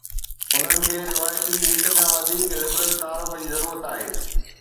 انهن کي روايتي هڪ کان وڌيڪ لبرل تعارف جي ضرورت آهي.